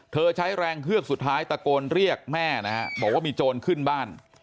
ใช้แรงเฮือกสุดท้ายตะโกนเรียกแม่นะฮะบอกว่ามีโจรขึ้นบ้าน